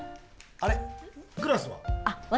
あれグラスは。